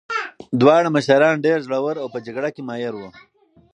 دواړه مشران ډېر زړور او په جګړه کې ماهر وو.